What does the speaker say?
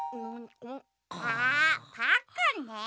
あパックンね！